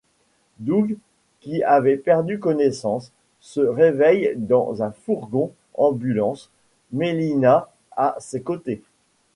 Doug, qui avait perdu connaissance, se réveille dans un fourgon-ambulance, Melina à ses côtés.